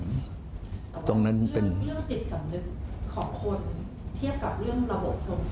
แต่ว่าเรื่องจิตสำนึกของคนเทียบกับเรื่องระบบโครงสร้างอันไหนที่มันมีกับ